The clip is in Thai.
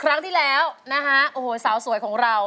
ครั้งที่แล้วสาวสวยของเรา